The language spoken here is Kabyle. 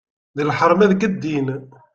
D leḥram deg ddin.